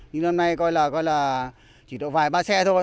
nhưng năm nay coi là chỉ đổ vài ba xe thôi